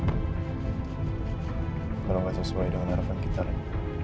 kalau enggak sesuai dengan harapan kita ren